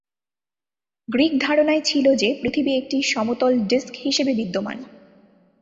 Greek ধারণায় ছিল যে পৃথিবী একটি সমতল ডিস্ক হিসাবে বিদ্যমান।